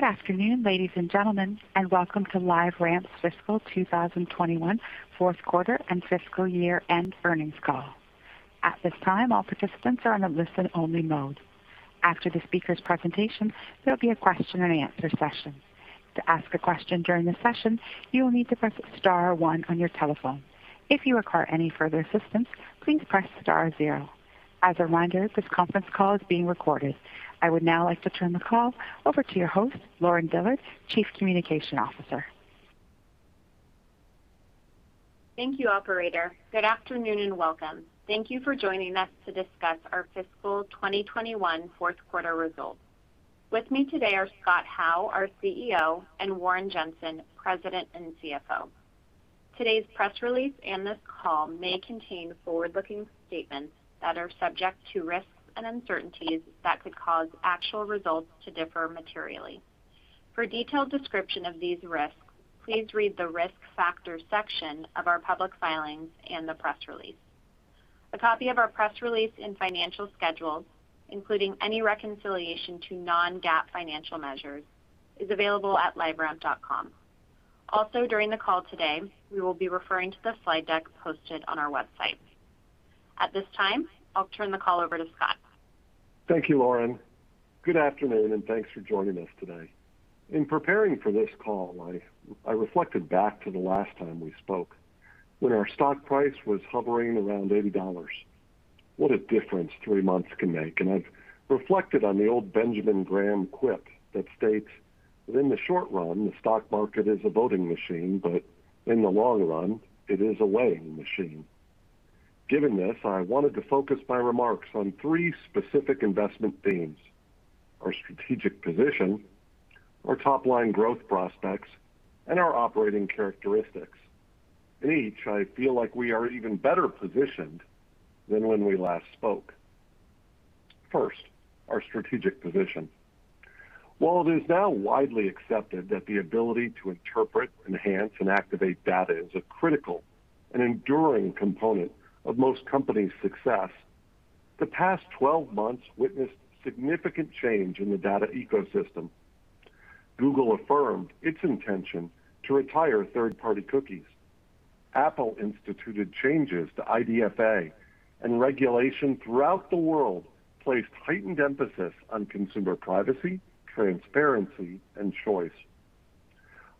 Good afternoon, ladies and gentlemen, and Welcome to LiveRamp's Fiscal 2021 Fourth Quarter and Fiscal Year End Earnings Call. At this time, all participants are in a listen-only mode. After the speakers' presentation, there will be a question-and-answer session. To ask a question during the session, you will need to press star one on your telephone. If you require any further assistance, please press star zero. As a reminder, this conference call is being recorded. I would now like to turn the call over to your host, Lauren Dillard, Chief Communications Officer. Thank you, operator. Good afternoon, and welcome. Thank you for joining us to discuss our fiscal 2021 fourth quarter results. With me today are Scott Howe, our CEO, and Warren Jenson, President and CFO. Today's press release and this call may contain forward-looking statements that are subject to risks and uncertainties that could cause actual results to differ materially. For a detailed description of these risks, please read the Risk Factors section of our public filings and the press release. A copy of our press release and financial schedules, including any reconciliation to non-GAAP financial measures, is available at liveramp.com. Also, during the call today, we will be referring to the slide deck posted on our website. At this time, I'll turn the call over to Scott. Thank you, Lauren. Good afternoon. Thanks for joining us today. In preparing for this call, I reflected back to the last time we spoke when our stock price was hovering around $80. What a difference three months can make, and I've reflected on the old Benjamin Graham quip that states that in the short run, the stock market is a voting machine, but in the long run, it is a weighing machine. Given this, I wanted to focus my remarks on three specific investment themes, our strategic position, our top-line growth prospects, and our operating characteristics. In each, I feel like we are even better positioned than when we last spoke. First, our strategic position. While it is now widely accepted that the ability to interpret, enhance, and activate data is a critical and enduring component of most companies' success, the past 12 months witnessed significant change in the data ecosystem. Google affirmed its intention to retire third-party cookies. Apple instituted changes to IDFA, and regulation throughout the world placed heightened emphasis on consumer privacy, transparency, and choice.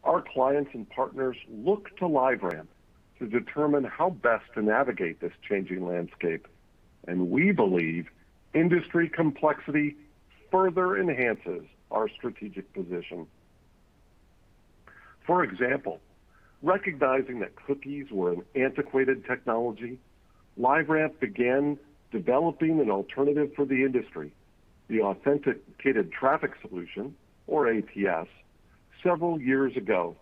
Our clients and partners look to LiveRamp to determine how best to navigate this changing landscape, and we believe industry complexity further enhances our strategic position. For example, recognizing that cookies were an antiquated technology, LiveRamp began developing an alternative for the industry, the Authenticated Traffic Solution, or ATS, several years ago.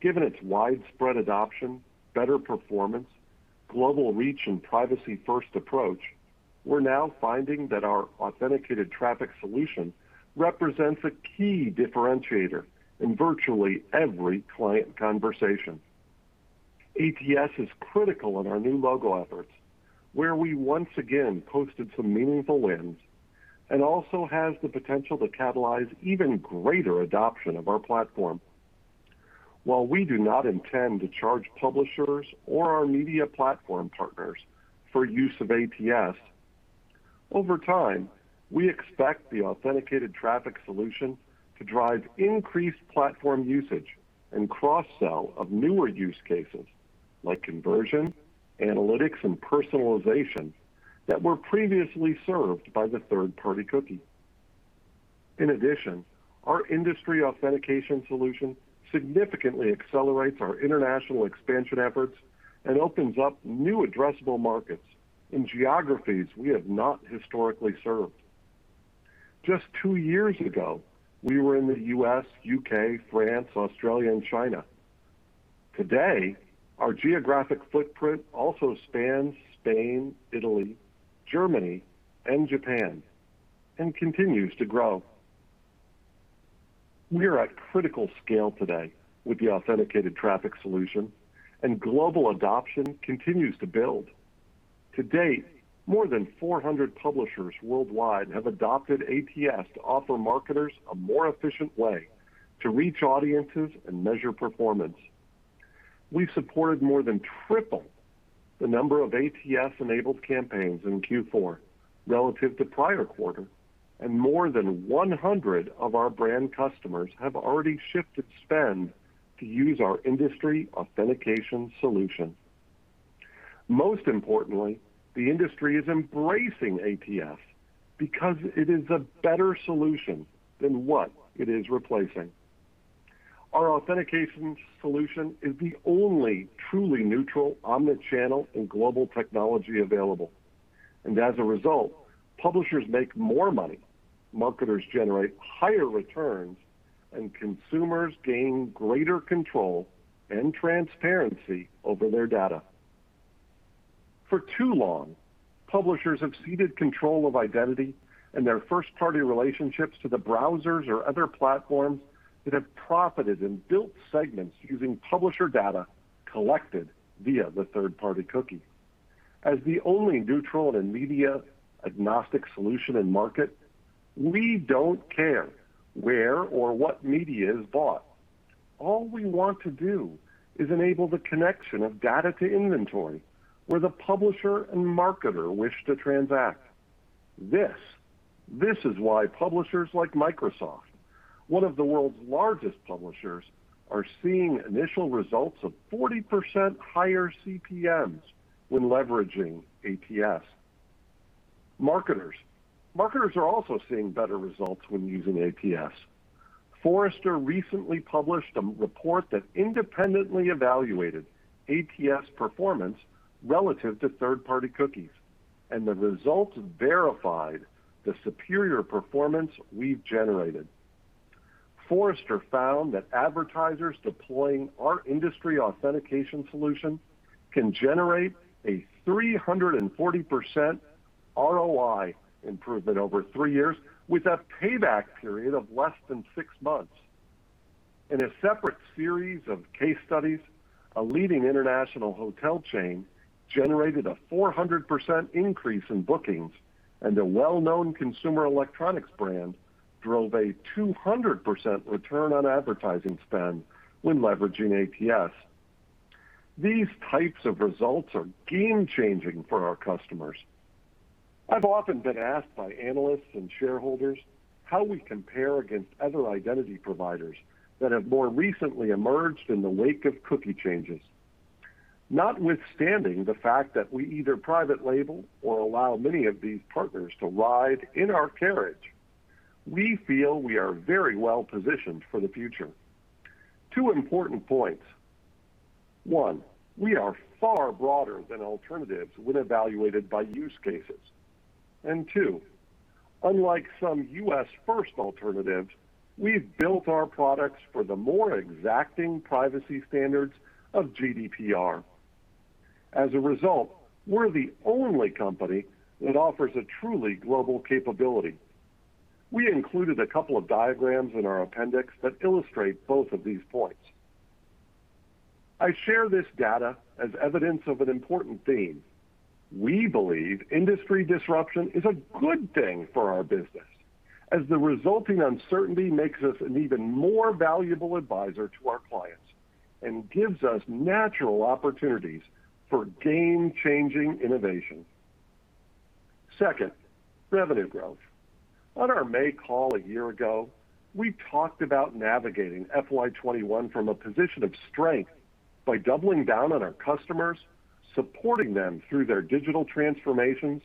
Given its widespread adoption, better performance, global reach, and privacy-first approach, we're now finding that our Authenticated Traffic Solution represents a key differentiator in virtually every client conversation. ATS is critical in our new logo efforts, where we once again posted some meaningful wins, and also has the potential to catalyze even greater adoption of our platform. While we do not intend to charge publishers or our media platform partners for use of ATS, over time, we expect the Authenticated Traffic Solution to drive increased platform usage and cross-sell of newer use cases like conversion, analytics, and personalization that were previously served by the third-party cookie. In addition, our industry authentication solution significantly accelerates our international expansion efforts and opens up new addressable markets in geographies we have not historically served. Just two years ago, we were in the U.S., U.K., France, Australia, and China. Today, our geographic footprint also spans Spain, Italy, Germany, and Japan and continues to grow. We are at critical scale today with the Authenticated Traffic Solution, and global adoption continues to build. To date, more than 400 publishers worldwide have adopted ATS to offer marketers a more efficient way to reach audiences and measure performance. We've supported more than triple the number of ATS-enabled campaigns in Q4 relative to prior quarter, and more than 100 of our brand customers have already shifted spend to use our industry authentication solution. Most importantly, the industry is embracing ATS because it is a better solution than what it is replacing. Our authentication solution is the only truly neutral, omnichannel, and global technology available, and as a result, publishers make more money, marketers generate higher returns, and consumers gain greater control and transparency over their data. For too long, publishers have ceded control of identity and their first-party relationships to the browsers or other platforms that have profited and built segments using publisher data collected via the third-party cookie. As the only neutral and media-agnostic solution in market, we don't care where or what media is bought. All we want to do is enable the connection of data to inventory where the publisher and marketer wish to transact. This is why publishers like Microsoft, one of the world's largest publishers, are seeing initial results of 40% higher CPMs when leveraging ATS. Marketers are also seeing better results when using ATS. Forrester recently published a report that independently evaluated ATS performance relative to third-party cookies, and the results verified the superior performance we've generated. Forrester found that advertisers deploying our industry authentication solution can generate a 340% ROI improvement over three years with a payback period of less than six months. In a separate series of case studies, a leading international hotel chain generated a 400% increase in bookings, and a well-known consumer electronics brand drove a 200% return on advertising spend when leveraging ATS. These types of results are game-changing for our customers. I've often been asked by analysts and shareholders how we compare against other identity providers that have more recently emerged in the wake of cookie changes. Notwithstanding the fact that we either private label or allow many of these partners to ride in our carriage, we feel we are very well positioned for the future. Two important points. One, we are far broader than alternatives when evaluated by use cases. Two, unlike some U.S. first alternatives, we've built our products for the more exacting privacy standards of GDPR. As a result, we're the only company that offers a truly global capability. We included a couple of diagrams in our appendix that illustrate both of these points. I share this data as evidence of an important theme. We believe industry disruption is a good thing for our business, as the resulting uncertainty makes us an even more valuable advisor to our clients and gives us natural opportunities for game-changing innovation. Second, revenue growth. On our May call a year ago, we talked about navigating FY 2021 from a position of strength by doubling down on our customers, supporting them through their digital transformations,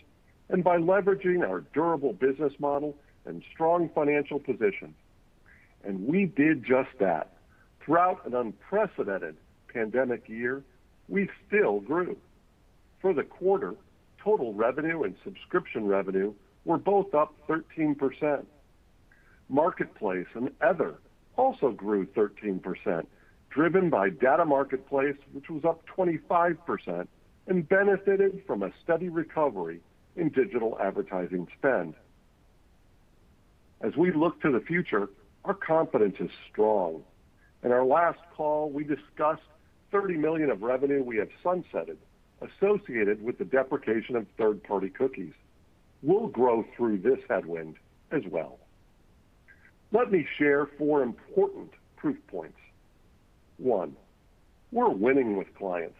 and by leveraging our durable business model and strong financial position. We did just that. Throughout an unprecedented pandemic year, we still grew. For the quarter, total revenue and subscription revenue were both up 13%. Marketplace and other also grew 13%, driven by Data Marketplace, which was up 25% and benefited from a steady recovery in digital advertising spend. As we look to the future, our confidence is strong. In our last call, we discussed $30 million of revenue we have sunsetted associated with the deprecation of third-party cookies. We'll grow through this headwind as well. Let me share four important proof points. One, we're winning with clients.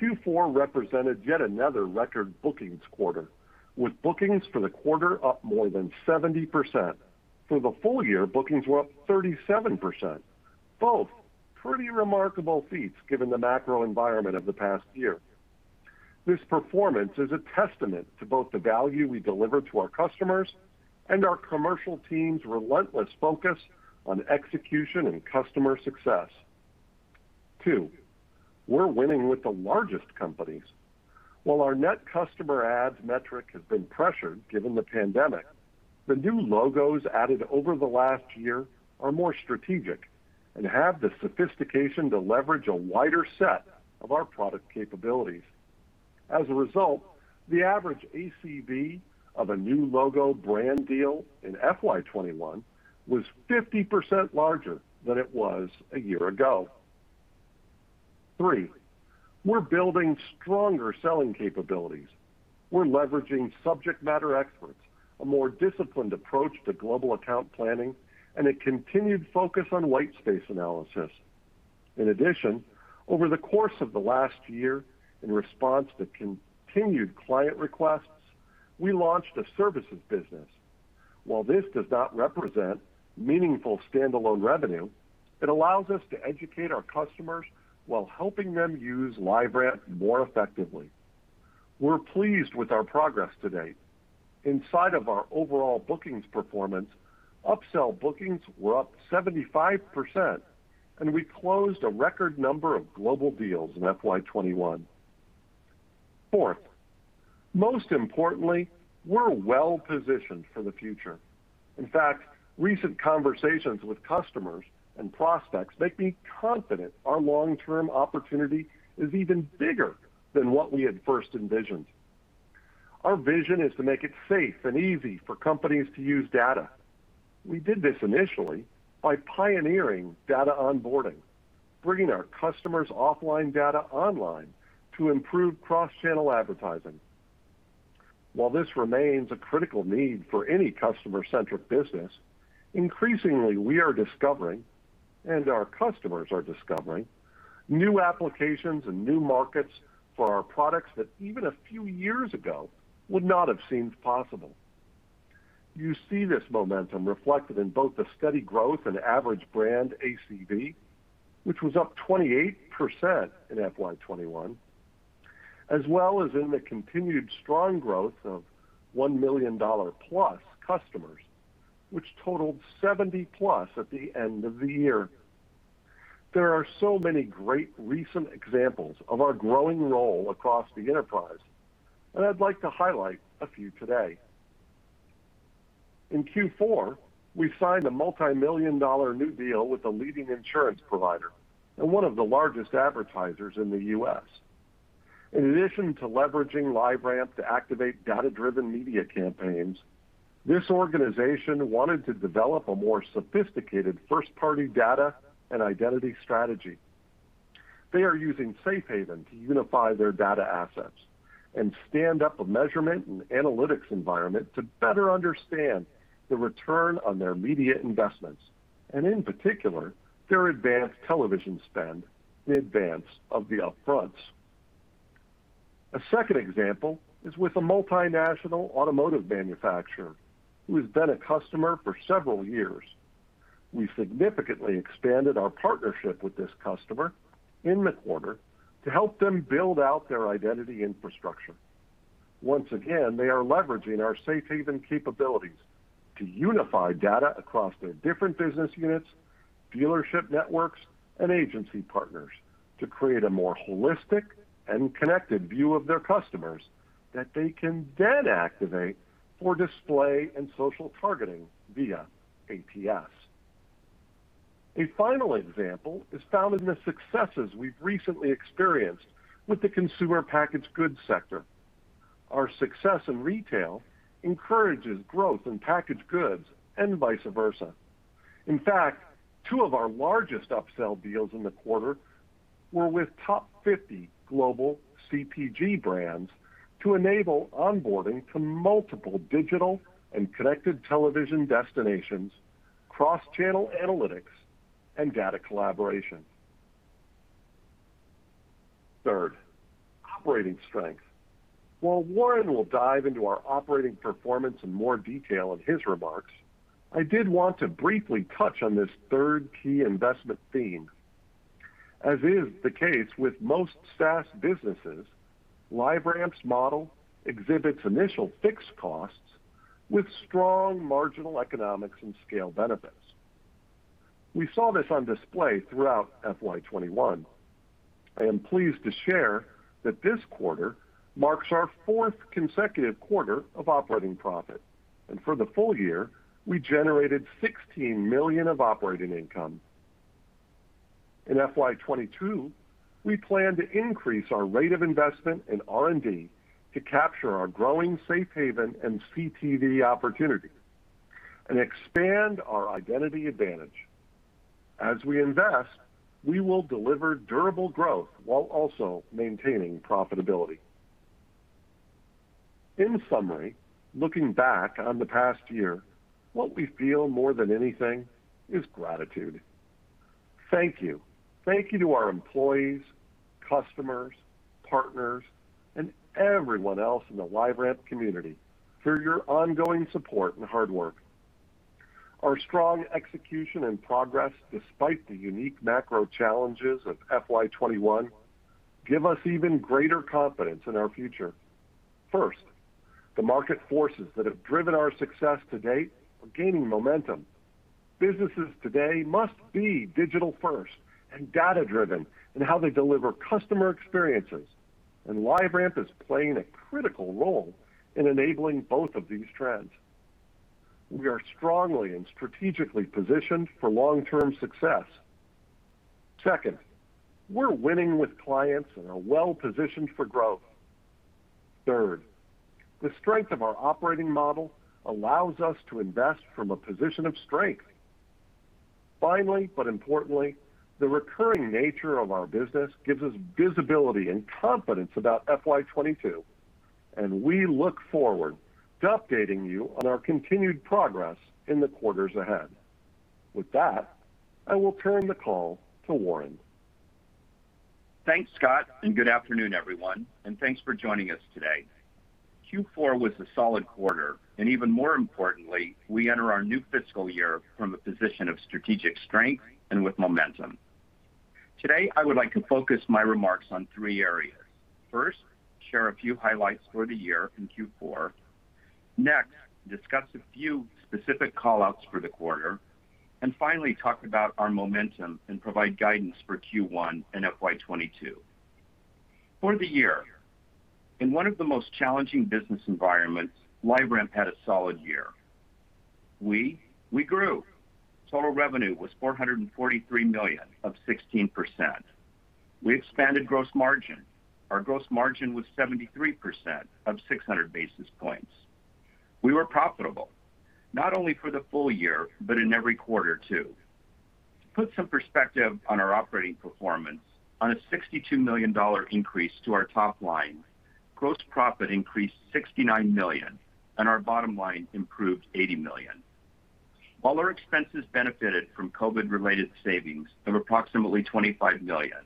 Q4 represented yet another record bookings quarter, with bookings for the quarter up more than 70%. For the full year, bookings were up 37%, both pretty remarkable feats given the macro environment of the past year. This performance is a testament to both the value we deliver to our customers and our commercial team's relentless focus on execution and customer success. Two, we're winning with the largest companies. While our net customer adds metric has been pressured given the pandemic, the new logos added over the last year are more strategic and have the sophistication to leverage a wider set of our product capabilities. As a result, the average ACV of a new logo brand deal in FY 2021 was 50% larger than it was a year ago. Three, we're building stronger selling capabilities. We're leveraging subject matter experts, a more disciplined approach to global account planning, and a continued focus on white space analysis. In addition, over the course of the last year, in response to continued client requests, we launched a services business. While this does not represent meaningful standalone revenue, it allows us to educate our customers while helping them use LiveRamp more effectively. We're pleased with our progress to date. Inside of our overall bookings performance, upsell bookings were up 75%. We closed a record number of global deals in FY 2021. Fourth, most importantly, we're well positioned for the future. In fact, recent conversations with customers and prospects make me confident our long-term opportunity is even bigger than what we had first envisioned. Our vision is to make it safe and easy for companies to use data. We did this initially by pioneering data onboarding, bringing our customers' offline data online to improve cross-channel advertising. While this remains a critical need for any customer-centric business, increasingly we are discovering, and our customers are discovering, new applications and new markets for our products that even a few years ago would not have seemed possible. You see this momentum reflected in both the steady growth and average brand ACV, which was up 28% in FY 2021, as well as in the continued strong growth of $1+ million customers, which totaled 70+ at the end of the year. There are so many great recent examples of our growing role across the enterprise, and I'd like to highlight a few today. In Q4, we signed a multimillion-dollar new deal with a leading insurance provider and one of the largest advertisers in the U.S. In addition to leveraging LiveRamp to activate data-driven media campaigns, this organization wanted to develop a more sophisticated first-party data and identity strategy. They are using Safe Haven to unify their data assets and stand up a measurement and analytics environment to better understand the return on their media investments, and in particular, their advanced television spend in advance of the upfronts. A second example is with a multinational automotive manufacturer who has been a customer for several years. We significantly expanded our partnership with this customer in the quarter to help them build out their identity infrastructure. Once again, they are leveraging our Safe Haven capabilities to unify data across their different business units, dealership networks, and agency partners to create a more holistic and connected view of their customers that they can then activate for display and social targeting via ATS. A final example is found in the successes we've recently experienced with the consumer packaged goods sector. Our success in retail encourages growth in packaged goods and vice versa. In fact, two of our largest upsell deals in the quarter were with top 50 global CPG brands to enable onboarding to multiple digital and connected television destinations, cross-channel analytics, and data collaboration. Third, operating strength. While Warren will dive into our operating performance in more detail in his remarks, I did want to briefly touch on this third key investment theme. As is the case with most SaaS businesses, LiveRamp's model exhibits initial fixed costs with strong marginal economics and scale benefits. We saw this on display throughout FY 2021. I am pleased to share that this quarter marks our fourth consecutive quarter of operating profit, and for the full year, we generated $16 million of operating income. In FY 2022, we plan to increase our rate of investment in R&D to capture our growing Safe Haven and CTV opportunities and expand our identity advantage. As we invest, we will deliver durable growth while also maintaining profitability. In summary, looking back on the past year, what we feel more than anything is gratitude. Thank you. Thank you to our employees, customers, partners, and everyone else in the LiveRamp community for your ongoing support and hard work. Our strong execution and progress despite the unique macro challenges of FY 2021 give us even greater confidence in our future. First, the market forces that have driven our success to date are gaining momentum. Businesses today must be digital-first and data-driven in how they deliver customer experiences, and LiveRamp is playing a critical role in enabling both of these trends. We are strongly and strategically positioned for long-term success. Second, we're winning with clients and are well positioned for growth. Third, the strength of our operating model allows us to invest from a position of strength. Finally, but importantly, the recurring nature of our business gives us visibility and confidence about FY 2022, and we look forward to updating you on our continued progress in the quarters ahead. With that, I will turn the call to Warren. Thanks, Scott. Good afternoon, everyone, and thanks for joining us today. Q4 was a solid quarter. Even more importantly, we enter our new fiscal year from a position of strategic strength and with momentum. Today, I would like to focus my remarks on three areas. First, share a few highlights for the year in Q4. Next, discuss a few specific call-outs for the quarter. Finally, talk about our momentum and provide guidance for Q1 and FY 2022. For the year, in one of the most challenging business environments, LiveRamp had a solid year. We grew. Total revenue was $443 million, up 16%. We expanded gross margin. Our gross margin was 73%, up 600 basis points. We were profitable, not only for the full year, in every quarter, too. To put some perspective on our operating performance, on a $62 million increase to our top line, gross profit increased to $69 million, and our bottom line improved to $80 million. While our expenses benefited from COVID-related savings of approximately $25 million,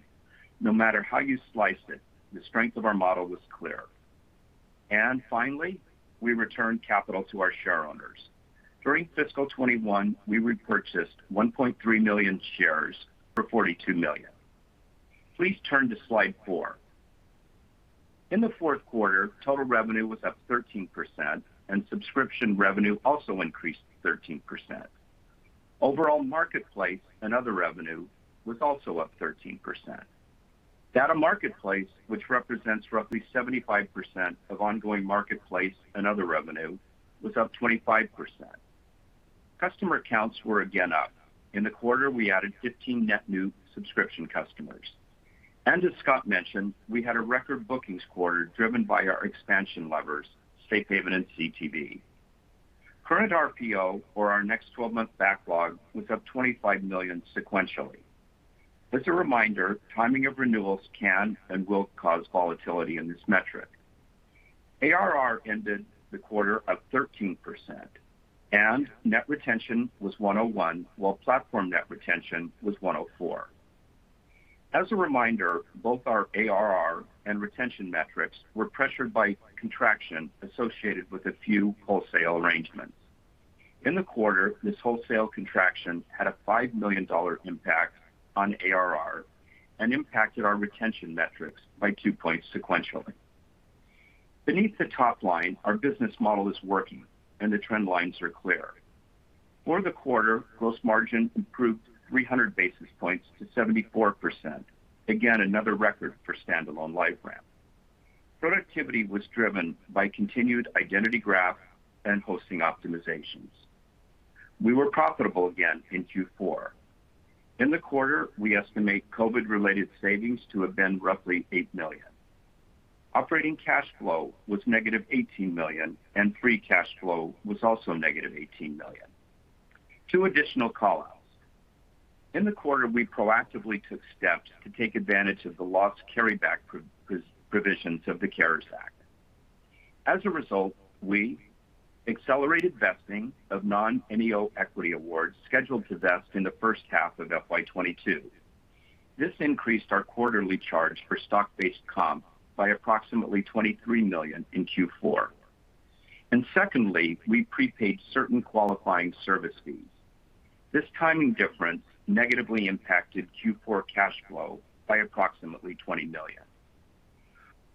no matter how you sliced it, the strength of our model was clear. Finally, we returned capital to our shareowners. During fiscal 2021, we repurchased 1.3 million shares for $42 million. Please turn to slide four. In the fourth quarter, total revenue was up 13%, and subscription revenue also increased 13%. Overall marketplace and other revenue was also up 13%. Data Marketplace, which represents roughly 75% of ongoing marketplace and other revenue, was up 25%. Customer accounts were again up. In the quarter, we added 15 net new subscription customers. As Scott mentioned, we had a record bookings quarter driven by our expansion levers, Safe Haven and CTV. Current RPO for our next 12-month backlog was up $25 million sequentially. As a reminder, timing of renewals can and will cause volatility in this metric. ARR ended the quarter up 13%, and net retention was 101%, while platform net retention was 104%. As a reminder, both our ARR and retention metrics were pressured by contraction associated with a few wholesale arrangements. In the quarter, this wholesale contraction had a $5 million impact on ARR and impacted our retention metrics by two points sequentially. Beneath the top line, our business model is working, and the trend lines are clear. For the quarter, gross margin improved 300 basis points to 74%. Again, another record for standalone LiveRamp. Productivity was driven by continued identity graph and hosting optimizations. We were profitable again in Q4. In the quarter, we estimate COVID-related savings to have been roughly $8 million. Operating cash flow was negative $18 million, and free cash flow was also negative $18 million. Two additional call-outs. In the quarter, we proactively took steps to take advantage of the loss carryback provisions of the CARES Act. As a result, we accelerated vesting of non-NEO equity awards scheduled to vest in the first half of FY 2022. This increased our quarterly charge for stock-based comp by approximately $23 million in Q4. Secondly, we prepaid certain qualifying service fees. This timing difference negatively impacted Q4 cash flow by approximately $20 million.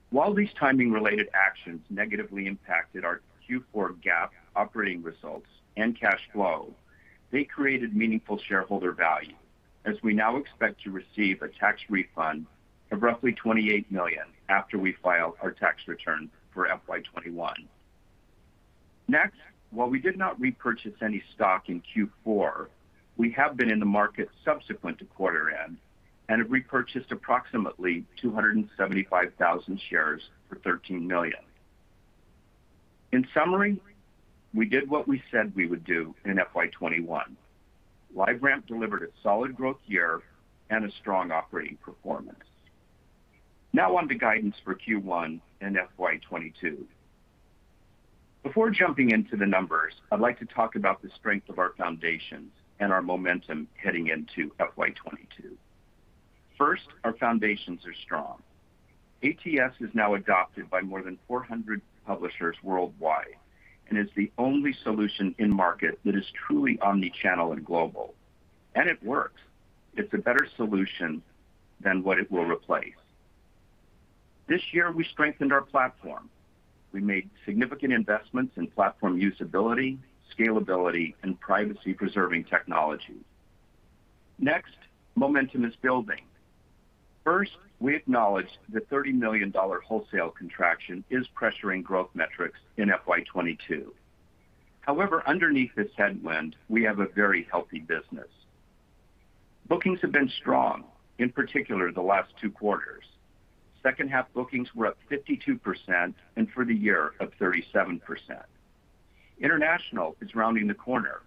While these timing-related actions negatively impacted our Q4 GAAP operating results and cash flow, they created meaningful shareholder value, as we now expect to receive a tax refund of roughly $28 million after we file our tax return for FY 2021. Next, while we did not repurchase any stock in Q4, we have been in the market subsequent to quarter end, and have repurchased approximately 275,000 shares for $13 million. In summary, we did what we said we would do in FY 2021. LiveRamp delivered a solid growth year and a strong operating performance. Now on to guidance for Q1 and FY 2022. Before jumping into the numbers, I'd like to talk about the strength of our foundations and our momentum heading into FY 2022. First, our foundations are strong. ATS is now adopted by more than 400 publishers worldwide and is the only solution in market that is truly omni-channel and global. It works. It's a better solution than what it will replace. This year, we strengthened our platform. We made significant investments in platform usability, scalability, and privacy-preserving technology. Next, momentum is building. First, we acknowledge the $30 million wholesale contraction is pressuring growth metrics in FY 2022. However, underneath this headwind, we have a very healthy business. Bookings have been strong, in particular the last two quarters. Second half bookings were up 52%, and for the year, up 37%. International is rounding the corner.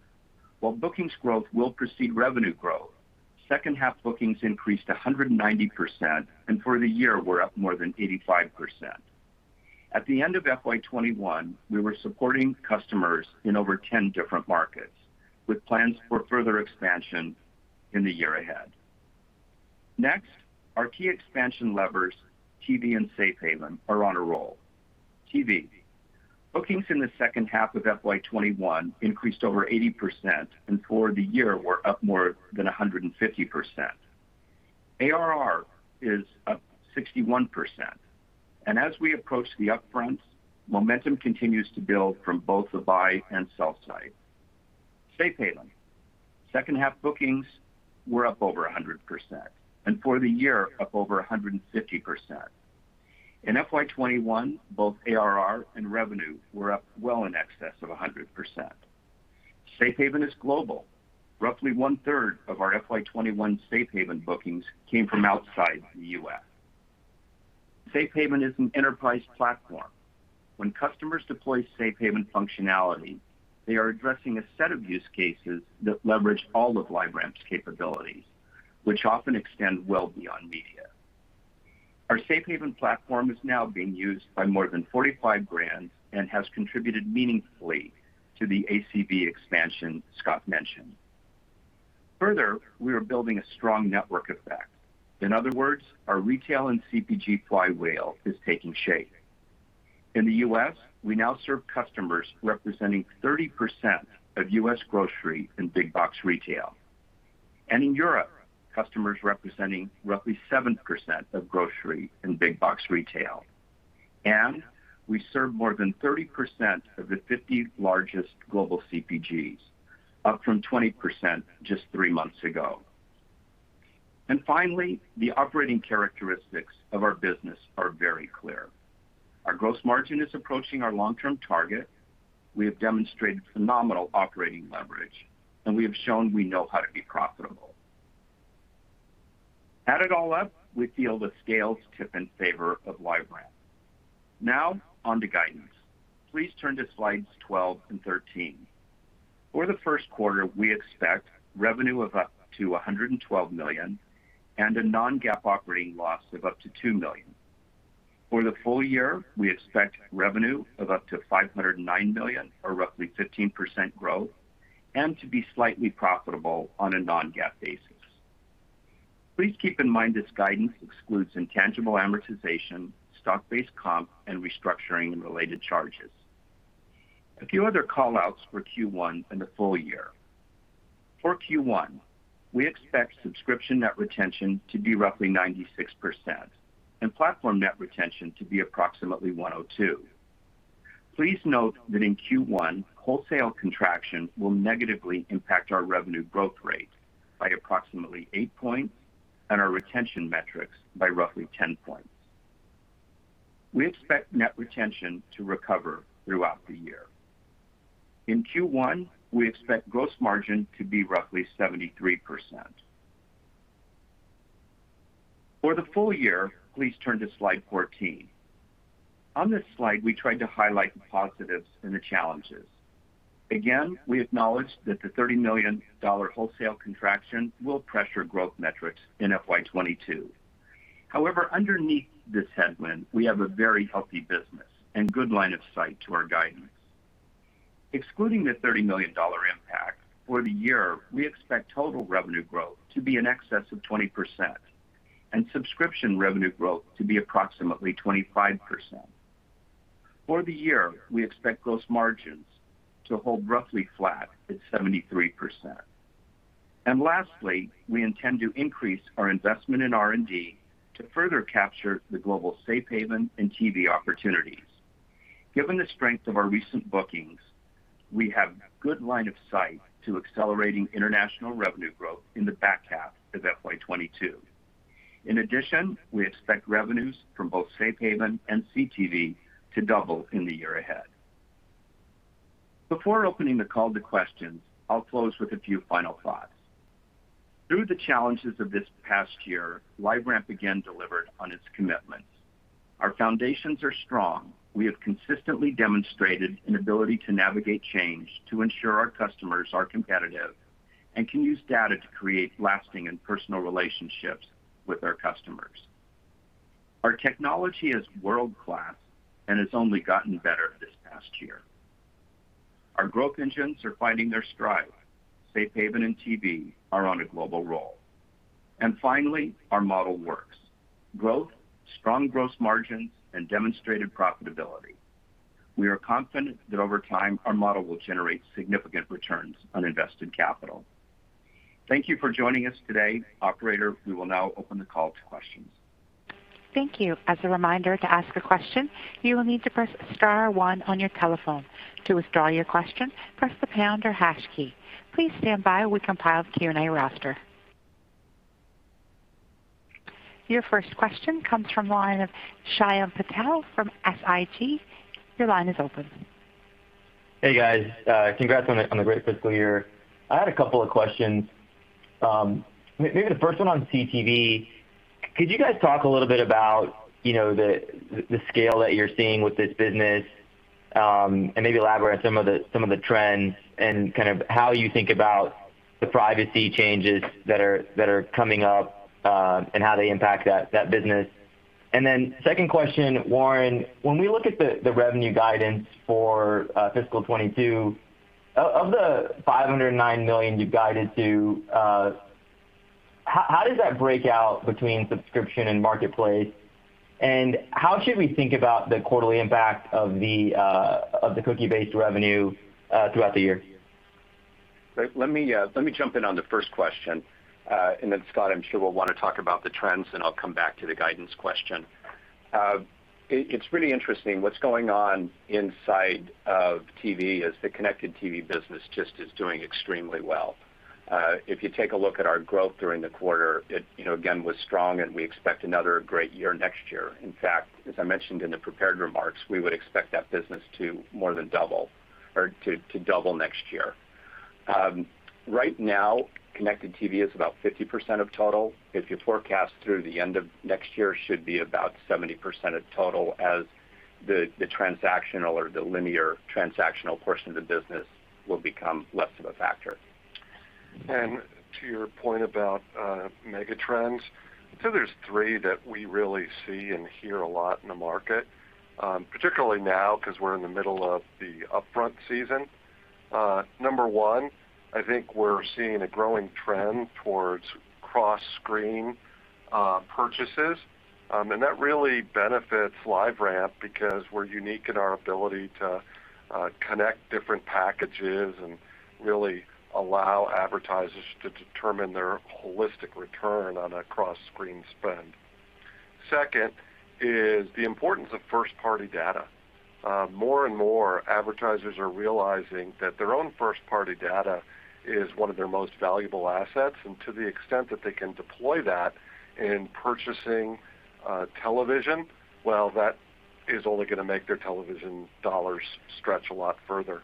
While bookings growth will precede revenue growth, second half bookings increased 190%, and for the year, we're up more than 85%. At the end of FY 2021, we were supporting customers in over 10 different markets, with plans for further expansion in the year ahead. Our key expansion levers, TV and Safe Haven, are on a roll. TV. Bookings in the second half of FY 2021 increased over 80%, and for the year, were up more than 150%. ARR is up 61%, and as we approach the upfronts, momentum continues to build from both the buy and sell side. Safe Haven. Second half bookings were up over 100%, and for the year up over 150%. In FY 2021, both ARR and revenue were up well in excess of 100%. Safe Haven is global. Roughly one-third of our FY 2021 Safe Haven bookings came from outside the U.S. Safe Haven is an enterprise platform. When customers deploy Safe Haven functionality, they are addressing a set of use cases that leverage all of LiveRamp's capabilities, which often extend well beyond media. Our Safe Haven platform is now being used by more than 45 brands and has contributed meaningfully to the ACV expansion Scott mentioned. Further, we are building a strong network effect. In other words, our retail and CPG flywheel is taking shape. In the U.S., we now serve customers representing 30% of U.S. grocery and big box retail. In Europe, customers representing roughly 7% of grocery and big box retail. We serve more than 30% of the 50 largest global CPGs, up from 20% just three months ago. Finally, the operating characteristics of our business are very clear. Our gross margin is approaching our long-term target. We have demonstrated phenomenal operating leverage, and we have shown we know how to be profitable. Add it all up, we feel the scales tip in favor of LiveRamp. Now, on to guidance. Please turn to slides 12 and 13. For the first quarter, we expect revenue of up to $112 million, and a non-GAAP operating loss of up to $2 million. For the full year, we expect revenue of up to $509 million, or roughly 15% growth, and to be slightly profitable on a non-GAAP basis. Please keep in mind this guidance excludes intangible amortization, stock-based comp, and restructuring and related charges. A few other call-outs for Q1 and the full year. For Q1, we expect subscription net retention to be roughly 96%, and platform net retention to be approximately 102%. Please note that in Q1, wholesale contraction will negatively impact our revenue growth rate by approximately 8 points, and our retention metrics by roughly 10 points. We expect net retention to recover throughout the year. In Q1, we expect gross margin to be roughly 73%. For the full year, please turn to slide 14. On this slide, we tried to highlight the positives and the challenges. Again, we acknowledge that the $30 million wholesale contraction will pressure growth metrics in FY 2022. However, underneath this headwind, we have a very healthy business and good line of sight to our guidance. Excluding the $30 million impact, for the year, we expect total revenue growth to be in excess of 20%, and subscription revenue growth to be approximately 25%. For the year, we expect gross margins to hold roughly flat at 73%. Lastly, we intend to increase our investment in R&D to further capture the global Safe Haven and CTV opportunities. Given the strength of our recent bookings, we have good line of sight to accelerating international revenue growth in the back half of FY 2022. In addition, we expect revenues from both Safe Haven and CTV to double in the year ahead. Before opening the call to questions, I'll close with a few final thoughts. Through the challenges of this past year, LiveRamp again delivered on its commitments. Our foundations are strong. We have consistently demonstrated an ability to navigate change to ensure our customers are competitive, and can use data to create lasting and personal relationships with our customers. Our technology is world-class, and it's only gotten better this past year. Our growth engines are finding their stride. Safe Haven and CTV are on a global roll. Finally, our model works. Growth, strong gross margins, and demonstrated profitability. We are confident that over time, our model will generate significant returns on invested capital. Thank you for joining us today. Operator, we will now open the call to questions. Thank you. As a reminder, to ask a question, you will need to press star one on your telephone. To withdraw your question, press the pound or hash key. Please stand by, we compile Q&A roster. Your first question comes from the line of Shyam Patil from SIG. Your line is open. Hey, guys. Congrats on the great fiscal year. I had a couple of questions. Maybe the first one on CTV. Could you guys talk a little bit about the scale that you're seeing with this business, and maybe elaborate some of the trends and how you think about the privacy changes that are coming up, and how they impact that business? Second question, Warren, when we look at the revenue guidance for FY 2022, of the $509 million you guided to, how does that break out between subscription and marketplace? How should we think about the quarterly impact of the cookie-based revenue throughout the year? Great. Let me jump in on the first question, and then Scott I'm sure will want to talk about the trends, and I'll come back to the guidance question. It's really interesting what's going on inside of TV as the connected TV business just is doing extremely well. If you take a look at our growth during the quarter, you know, again, was strong and we expect another great year next year. In fact, as I mentioned in the prepared remarks, we would expect that business to more than double or to double next year. Right now, connected TV is about 50% of total. If you forecast through the end of next year, should be about 70% of total as the transactional or the linear transactional portion of the business will become less of a factor. To your point about megatrends, I'd say there's three that we really see and hear a lot in the market, particularly now because we're in the middle of the upfront season. Number one, I think we're seeing a growing trend towards cross-screen purchases, and that really benefits LiveRamp because we're unique in our ability to connect different packages and really allow advertisers to determine their holistic return on a cross-screen spend. Second is the importance of first-party data. More and more advertisers are realizing that their own first-party data is one of their most valuable assets, and to the extent that they can deploy that in purchasing television, well, that is only going to make their television dollars stretch a lot further.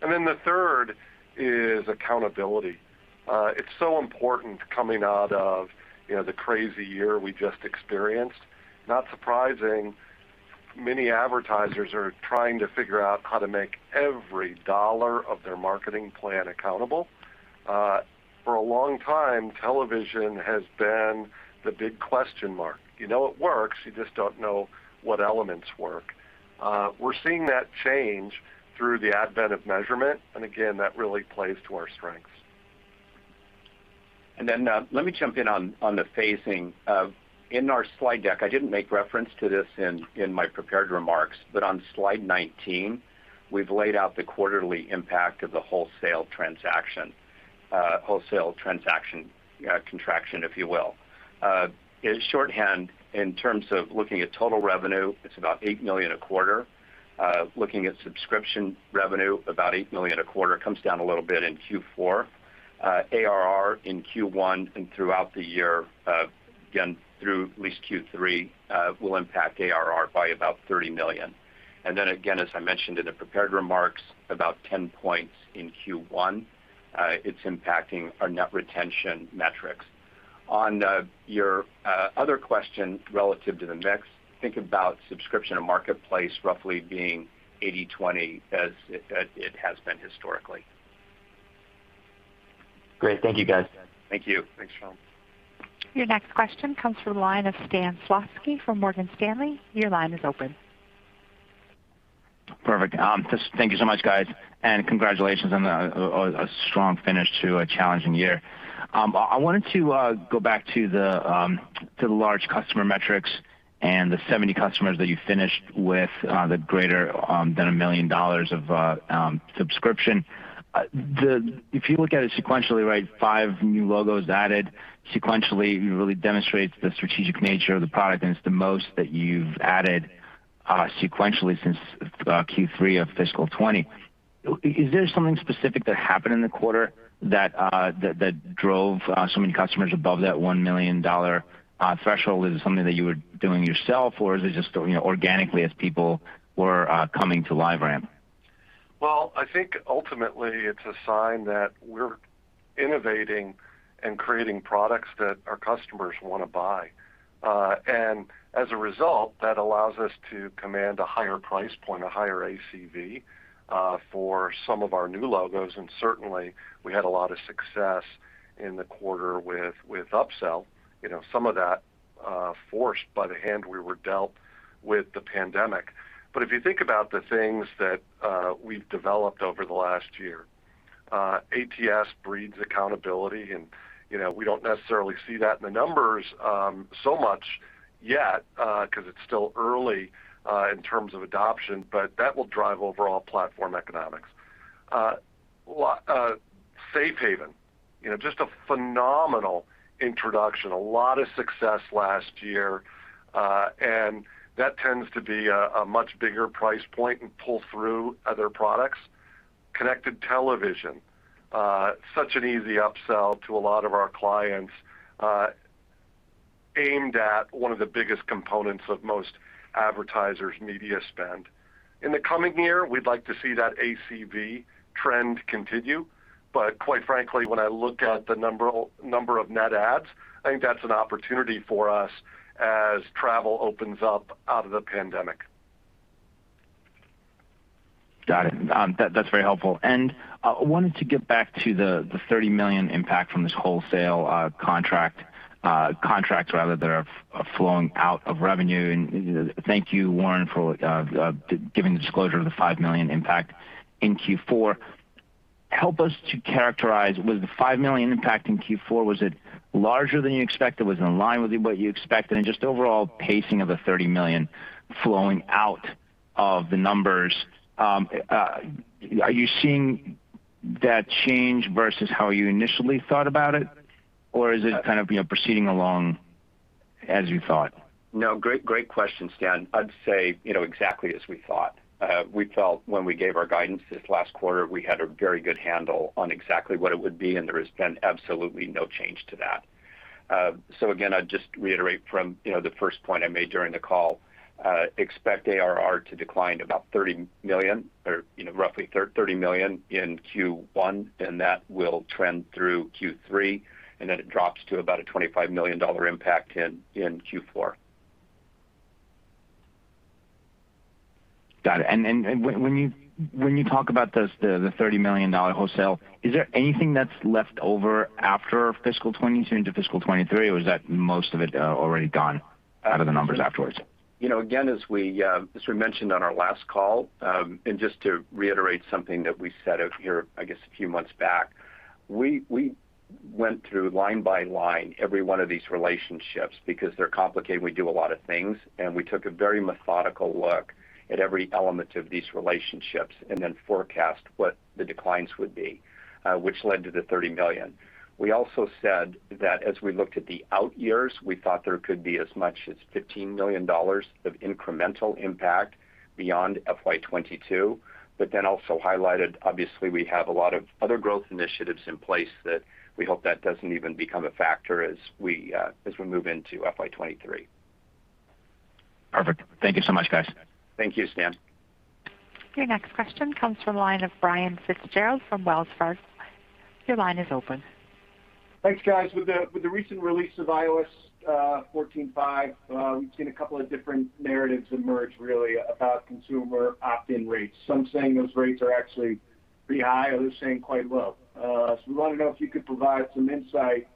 The third is accountability. It's so important coming out of the crazy year we just experienced. Not surprising, many advertisers are trying to figure out how to make every dollar of their marketing plan accountable. For a long time, television has been the big question mark. You know it works. You just don't know what elements work. We're seeing that change through the advent of measurement. Again, that really plays to our strengths. Then let me jump in on the phasing. In our slide deck, I didn't make reference to this in my prepared remarks, but on slide 19, we've laid out the quarterly impact of the wholesale transaction, wholesale transaction contraction, if you will. In shorthand, in terms of looking at total revenue, it's about $8 million a quarter. Looking at subscription revenue, about $8 million a quarter. Comes down a little bit in Q4. ARR in Q1 and throughout the year, again, through at least Q3, will impact ARR by about $30 million. Then again, as I mentioned in the prepared remarks, about 10 points in Q1 it's impacting our net retention metrics. On your other question relative to the mix, think about subscription and marketplace roughly being 80%, 20% as it has been historically. Great. Thank you, guys. Thank you. Thanks, Shyam. Your next question comes from the line of Stan Zlotsky from Morgan Stanley. Your line is open. Perfect. Thank you so much, guys, and congratulations on a strong finish to a challenging year. I wanted to go back to the large customer metrics and the 70 customers that you finished with the greater than $1 million of subscription. If you look at it sequentially, right, five new logos added sequentially really demonstrates the strategic nature of the product, and it's the most that you've added sequentially since Q3 of FY 2020. Is there something specific that happened in the quarter that drove so many customers above that $1 million threshold? Is it something that you were doing yourself, or is it just organically as people were coming to LiveRamp? Well, I think ultimately it's a sign that we're innovating and creating products that our customers want to buy. As a result, that allows us to command a higher price point, a higher ACV for some of our new logos. Certainly, we had a lot of success in the quarter with upsell. You know, some of that forced by the hand we were dealt with the pandemic. But if you think about the things that we've developed over the last year, ATS breeds accountability, and we don't necessarily see that in the numbers so much yet because it's still early in terms of adoption, but that will drive overall platform economics. Safe Haven, just a phenomenal introduction, a lot of success last year, and that tends to be a much bigger price point and pull through other products. Connected television, such an easy upsell to a lot of our clients aimed at one of the biggest components of most advertisers' media spend. In the coming year, we'd like to see that ACV trend continue. Quite frankly, when I look at the number of net adds, I think that's an opportunity for us as travel opens up out of the pandemic. Got it. That's very helpful. I wanted to get back to the $30 million impact from this wholesale contracts, rather, that are flowing out of revenue. Thank you, Warren, for giving the disclosure of the $5 million impact in Q4. Help us to characterize, with the $5 million impact in Q4, was it larger than you expected? Was it in line with what you expected? Just overall pacing of the $30 million flowing out of the numbers, are you seeing that change versus how you initially thought about it, or is it kind of proceeding along as you thought? No, great question, Stan. I'd say exactly as we thought. We felt when we gave our guidance this last quarter, we had a very good handle on exactly what it would be, and there has been absolutely no change to that. Again, I'd just reiterate from the first point I made during the call, expect ARR to decline about $30 million, or roughly 30 million in Q1, and that will trend through Q3, and then it drops to about a $25 million impact in Q4. Got it. When you talk about the $30 million wholesale, is there anything that's left over after fiscal 2022 to fiscal 2023, or is that most of it already gone for the numbers afterwards? You know, again, as we mentioned on our last call, and just to reiterate something that we said here, I guess, a few months back, we went through line by line every one of these relationships because they're complicated, we do a lot of things, and we took a very methodical look at every element of these relationships and then forecast what the declines would be, which led to the $30 million. We also said that as we looked at the out years, we thought there could be as much as $15 million of incremental impact beyond FY 2022, but then also highlighted, obviously, we have a lot of other growth initiatives in place that we hope that doesn't even become a factor as we move into FY 2023. Perfect. Thank you so much, guys. Thank you, Stan. Your next question comes from the line of Brian Fitzgerald from Wells Fargo. Your line is open. Thanks, guys. With the recent release of iOS 14.5, we've seen a couple of different narratives emerge really about consumer opt-in rates. Some saying those rates are actually pretty high, others saying quite low. We want to know if you could provide some insight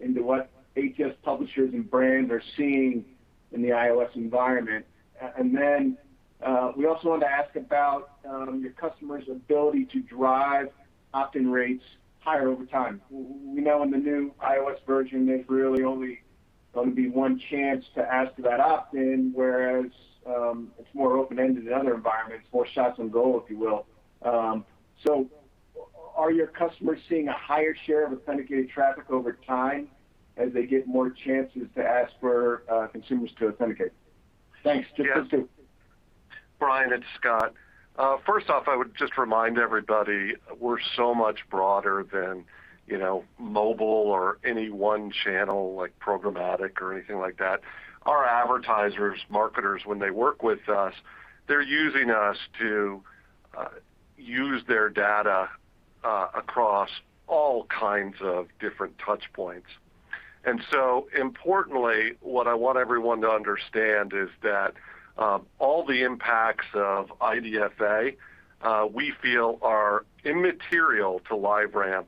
into what ATS publishers and brands are seeing in the iOS environment. We also want to ask about your customers' ability to drive opt-in rates higher over time. We know in the new iOS version, there's really only going to be one chance to ask for that opt-in, whereas it's more open-ended in other environments, more shots on goal, if you will. So, are your customers seeing a higher share of authenticated traffic over time as they get more chances to ask for consumers to authenticate? Thanks. [inaudible] [inaudible] Brian, it's Scott. First off, I would just remind everybody we're so much broader than mobile or any one channel like programmatic or anything like that. Our advertisers, marketers, when they work with us, they're using us to use their data across all kinds of different touchpoints. And so, importantly, what I want everyone to understand is that all the impacts of IDFA we feel are immaterial to LiveRamp,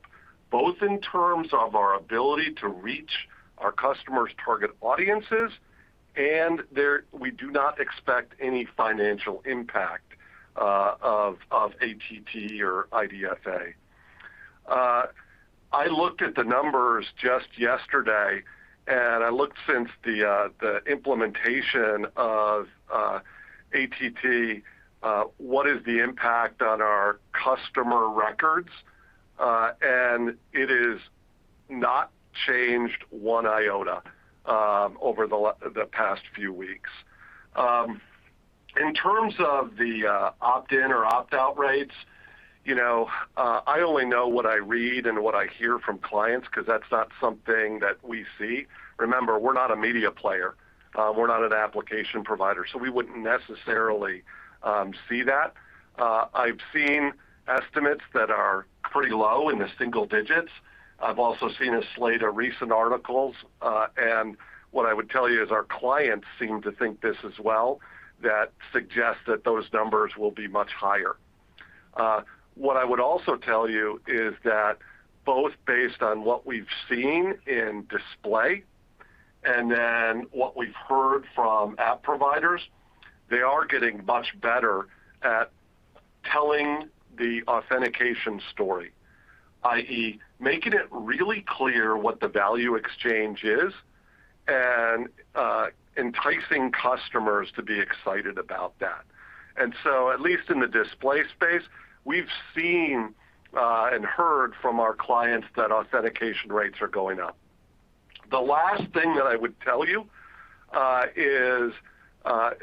both in terms of our ability to reach our customers' target audiences, and we do not expect any financial impact of ATT or IDFA. I looked at the numbers just yesterday, and I looked since the implementation of ATT, what is the impact on our customer records, and it has not changed one iota over the past few weeks. In terms of the opt-in or opt-out rates, I only know what I read and what I hear from clients because that's not something that we see. Remember, we're not a media player. We're not an application provider, so we wouldn't necessarily see that. I've seen estimates that are pretty low in the single digits. I've also seen a slate of recent articles, and what I would tell you is our clients seem to think this as well, that suggests that those numbers will be much higher. What I would also tell you is that both based on what we've seen in display and then what we've heard from app providers, they are getting much better at telling the authentication story, i.e., making it really clear what the value exchange is and enticing customers to be excited about that. And so, at least in the display space, we've seen and heard from our clients that authentication rates are going up. The last thing that I would tell you is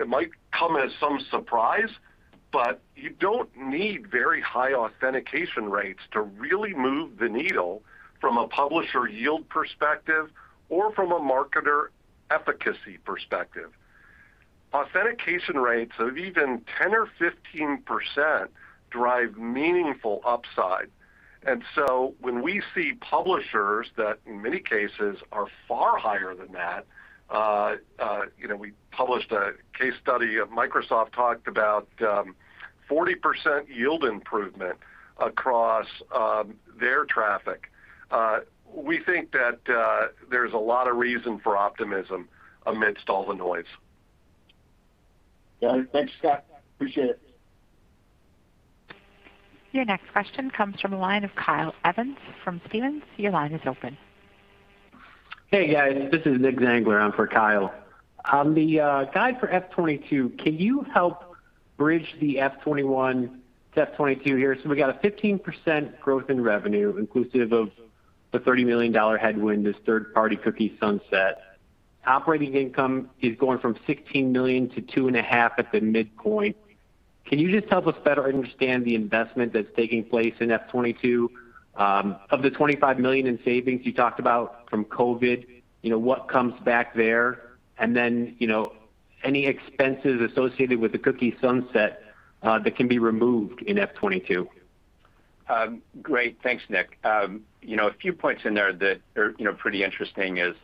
it might come as some surprise, but you don't need very high authentication rates to really move the needle from a publisher yield perspective or from a marketer efficacy perspective. Authentication rates of even 10% or 15% drive meaningful upside. When we see publishers that in many cases are far higher than that, we published a case study of Microsoft talked about 40% yield improvement across their traffic. We think that there's a lot of reason for optimism amidst all the noise. Got it. Thanks, Scott. Appreciate it. Your next question comes from the line of Kyle Evans from Stephens. Your line is open. Hey, guys, this is Nick Zangler in for Kyle. The guide for F 2022, can you help bridge the F 2021, F 2022 here? We got a 15% growth in revenue inclusive of the $30 million headwind, this third-party cookie sunset. Operating income is going from $16 million to 2.5 million at the midpoint. Can you just help us better understand the investment that's taking place in F 2022? Of the $25 million in savings you talked about from COVID, what comes back there? Any expenses associated with the cookie sunset that can be removed in F 2022? Great. Thanks, Nick. A few points in there that are pretty interesting is,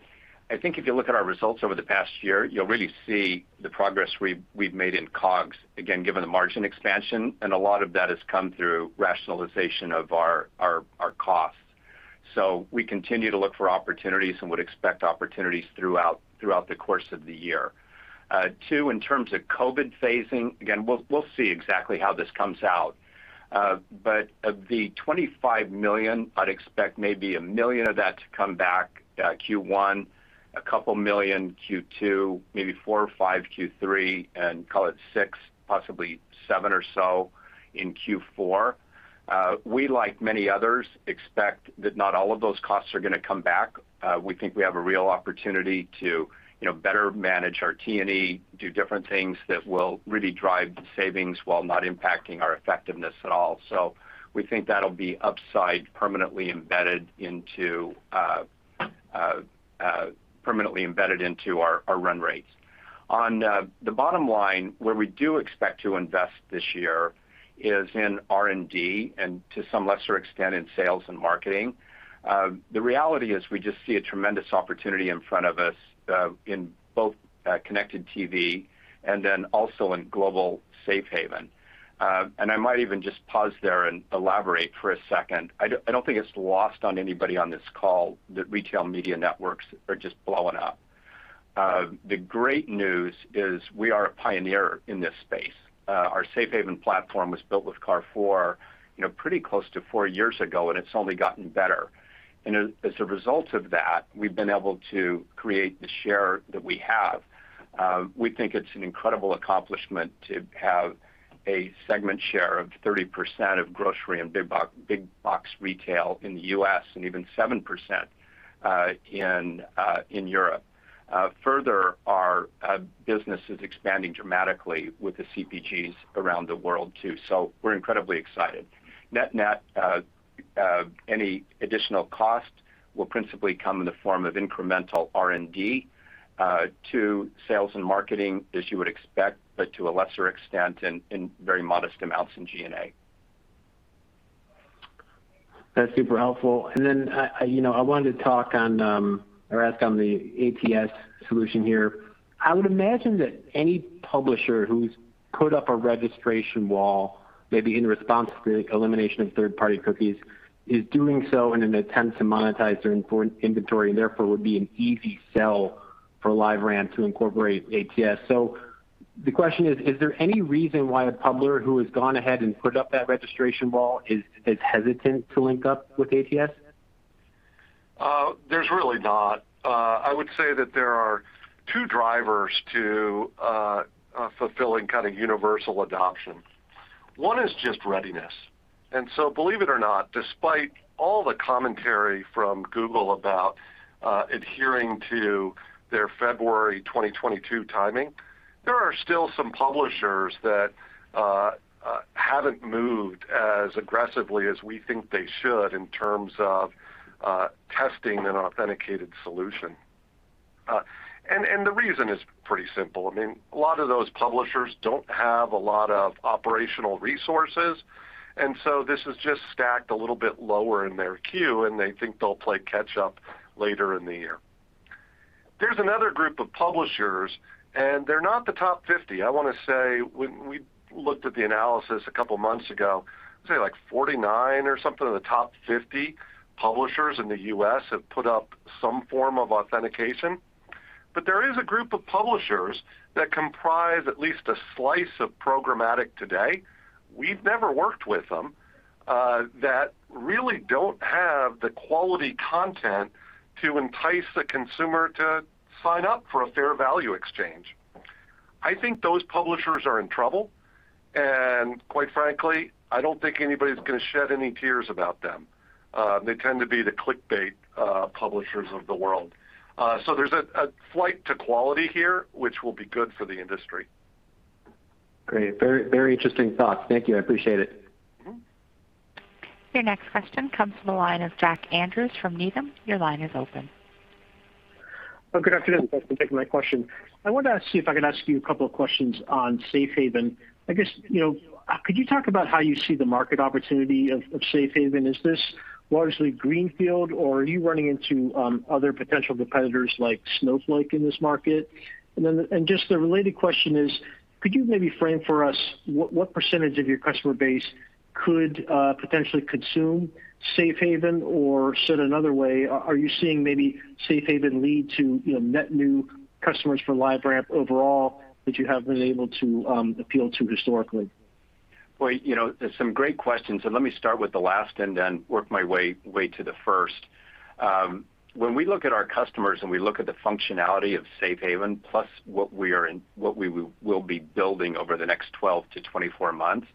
I think if you look at our results over the past year, you'll really see the progress we've made in COGS, again, given the margin expansion, and a lot of that has come through rationalization of our costs. We continue to look for opportunities and would expect opportunities throughout the course of the year. Two, in terms of COVID phasing, again, we'll see exactly how this comes out. Of the $25 million, I'd expect maybe $1 million of that to come back Q1, 2 million Q2, maybe $4 million or 5 million Q3, and call it $6 million, possibly 7 million or so in Q4. We, like many others, expect that not all of those costs are going to come back. We think we have a real opportunity to better manage our T&E, do different things that will really drive the savings while not impacting our effectiveness at all. We think that'll be upside permanently embedded into our run rates. On the bottom line, where we do expect to invest this year is in R&D and to some lesser extent in sales and marketing. The reality is we just see a tremendous opportunity in front of us in both connected TV and then also in global Safe Haven. I might even just pause there and elaborate for a second. I don't think it's lost on anybody on this call that retail media networks are just blowing up. The great news is we are a pioneer in this space. Our Safe Haven platform was built with Carrefour, you know, pretty close to four years ago, and it's only gotten better. As a result of that, we've been able to create the share that we have. We think it's an incredible accomplishment to have a segment share of 30% of grocery and big box retail in the U.S. and even 7% in Europe. Further, our business is expanding dramatically with the CPGs around the world too. So, we're incredibly excited. Net-net, any additional cost will principally come in the form of incremental R&D to sales and marketing as you would expect, but to a lesser extent in very modest amounts in G&A. That's super helpful. I wanted to talk on or ask on the ATS solution here. I would imagine that any publisher who's put up a registration wall, maybe in response to the elimination of third-party cookies, is doing so in an attempt to monetize their inventory, therefore would be an easy sell for LiveRamp to incorporate ATS. The question is there any reason why a publisher who has gone ahead and put up that registration wall is hesitant to link up with ATS? There's really not. I would say that there are two drivers to fulfilling kind of universal adoption. One is just readiness. Believe it or not, despite all the commentary from Google about adhering to their February 2022 timing, there are still some publishers that haven't moved as aggressively as we think they should in terms of testing an authenticated solution. The reason is pretty simple. I mean, a lot of those publishers don't have a lot of operational resources, and so this is just stacked a little bit lower in their queue, and they think they'll play catch up later in the year. There's another group of publishers, and they're not the top 50. I want to say when we looked at the analysis a couple of months ago, I'd say like 49 or something of the top 50 publishers in the U.S. have put up some form of authentication. There is a group of publishers that comprise at least a slice of programmatic today, we've never worked with them, that really don't have the quality content to entice the consumer to sign up for a fair value exchange. I think those publishers are in trouble, and quite frankly, I don't think anybody's going to shed any tears about them. They tend to be the clickbait publishers of the world. There's a flight to quality here, which will be good for the industry. Great. Very interesting thoughts. Thank you. I appreciate it. Your next question comes from the line of Jack Andrews from Needham. Your line is open. Oh, good afternoon. Thanks for taking my question. I wanted to see if I could ask you a couple of questions on Safe Haven. I guess, could you talk about how you see the market opportunity of Safe Haven? Is this largely greenfield, or are you running into other potential competitors like Snowflake in this market? Then just the related question is, could you maybe frame for us what % of your customer base could potentially consume Safe Haven? Or said another way, are you seeing maybe Safe Haven lead to net new customers for LiveRamp overall that you haven't been able to appeal to historically? Well, there's some great questions. Let me start with the last and then work my way to the first. When we look at our customers and we look at the functionality of Safe Haven, plus what we will be building over the next 12 to 24 months,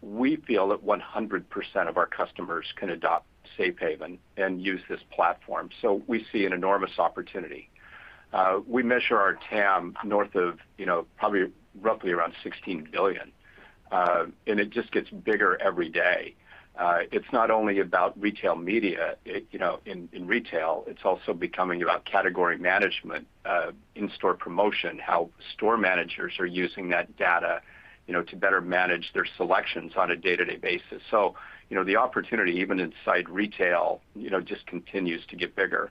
we feel that 100% of our customers can adopt Safe Haven and use this platform. We see an enormous opportunity. We measure our TAM north of probably roughly around $16 billion, and it just gets bigger every day. It's not only about retail media in retail, it's also becoming about category management, in-store promotion, how store managers are using that data to better manage their selections on a day-to-day basis. The opportunity, even inside retail, just continues to get bigger.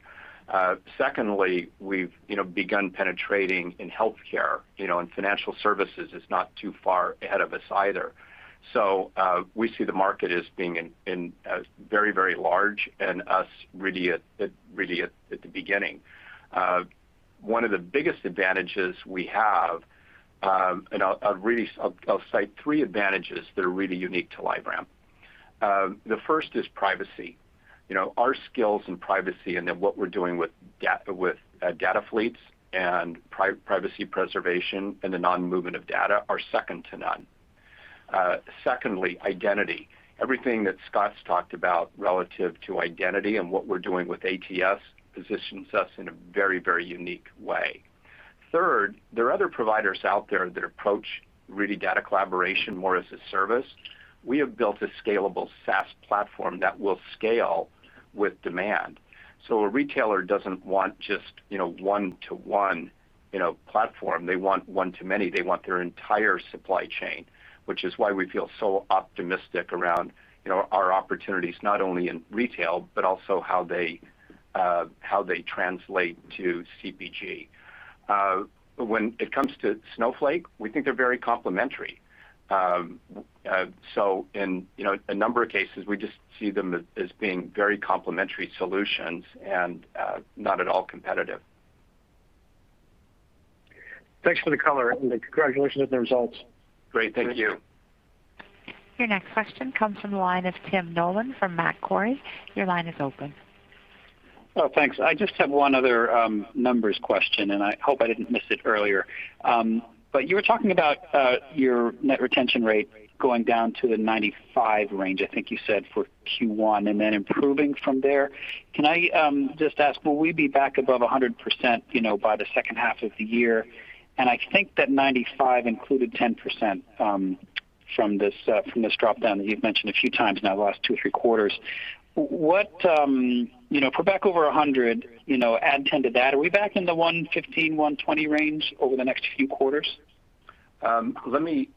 Secondly, we've begun penetrating in healthcare, and financial services is not too far ahead of us either. We see the market as being very large and us really at the beginning. One of the biggest advantages we have, and I'll cite three advantages that are really unique to LiveRamp. The first is privacy. Our skills in privacy and then what we're doing with data clean rooms and privacy preservation and the non-movement of data are second to none. Secondly, identity. Everything that Scott's talked about relative to identity and what we're doing with ATS positions us in a very, very unique way. Third, there are other providers out there that approach really data collaboration more as a service. We have built a scalable SaaS platform that will scale with demand. A retailer doesn't want just one-to-one platform. They want one-to-many. They want their entire supply chain, which is why we feel so optimistic around our opportunities, not only in retail, but also how they translate to CPG. When it comes to Snowflake, we think they're very complementary. In a number of cases, we just see them as being very complementary solutions and not at all competitive. Thanks for the color and congratulations on the results. Great. Thank you. Your next question comes from the line of Tim Nollen from Macquarie. Your line is open. Oh, thanks. I just have one other numbers question, and I hope I didn't miss it earlier. You were talking about your net retention rate going down to the 95% range, I think you said, for Q1, and then improving from there. Can I just ask, will we be back above 100% by the second half of the year? I think that 95% included 10% from this drop-down that you've mentioned a few times now the last two, three quarters. For back over 100%, add 10 to that, are we back in the 115%, 120% range over the next few quarters? Let me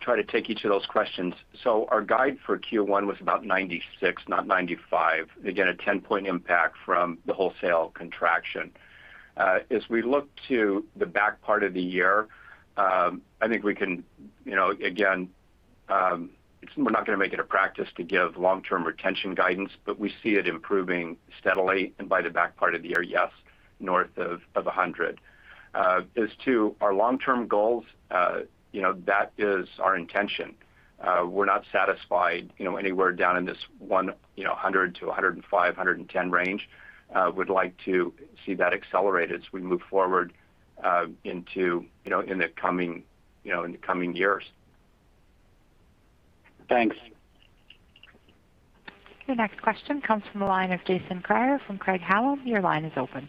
try to take each of those questions. Our guide for Q1 was about 96%, not 95%. Again, a 10-point impact from the wholesale contraction. As we look to the back part of the year, I think we can, again, we're not going to make it a practice to give long-term retention guidance, but we see it improving steadily and by the back part of the year, yes, north of 100%. As to our long-term goals, that is our intention. We're not satisfied anywhere down in this 100% to 105%, 110% range. We'd like to see that accelerate as we move forward in the coming years. Thanks. Your next question comes from the line of Jason Kreyer from Craig-Hallum. Your line is open.